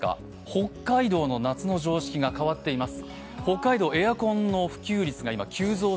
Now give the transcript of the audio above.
北海道の夏の常識が変わっています。